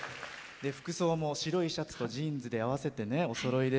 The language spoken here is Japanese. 服装も白いシャツとジーンズで合わせて、おそろいで。